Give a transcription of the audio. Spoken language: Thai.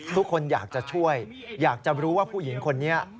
ทุกคนอยากจะช่วยอยากจะรู้ว่าผู้หญิงคนนี้